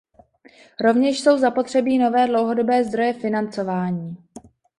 Rovněž jsou zapotřebí nové dlouhodobé zdroje financování.